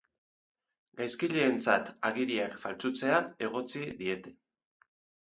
Gaizkileentzat agiriak faltsutzea egotzi diete.